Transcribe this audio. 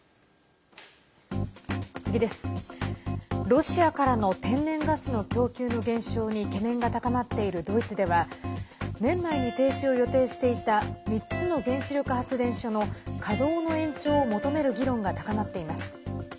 ロシアからの天然ガスの供給の減少に懸念が高まっているドイツでは年内に停止を予定していた３つの原子力発電所の稼働の延長を求める議論が高まっています。